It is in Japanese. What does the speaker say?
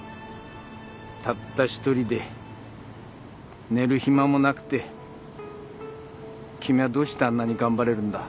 たった１人で寝る暇もなくて君はどうしてあんなに頑張れるんだ？